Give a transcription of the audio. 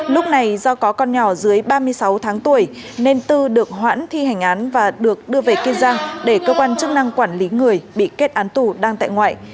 lúc này do có con nhỏ dưới ba mươi sáu tháng tuổi nên tư được hoãn thi hành án và được đưa về kiên giang để cơ quan chức năng quản lý người bị kết án tù đang tại ngoại